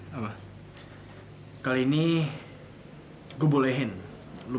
ya mereka kelihatan indian tapi tidak nyari kang faux